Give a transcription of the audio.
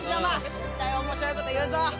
絶対面白いこと言うぞ！